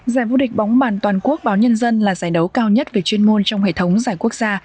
giải vô địch bóng bàn toàn quốc báo nhân dân là giải đấu cao nhất về chuyên môn trong hệ thống giải quốc gia